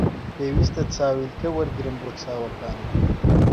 پێویستە چاویلکە وەرگرم بۆ چاوەکانم